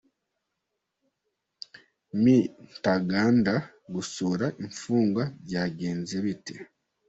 Me Ntaganda gusura infungwa byagenze bite ?